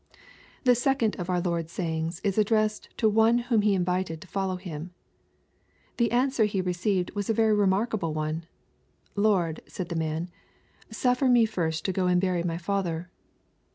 The second of our Lord's sayings is addressed to one whom He invited to follow Him, The answer He re ceived was a very remarkable one. " Lord/' said the man, " suffer me first to go and bury my father."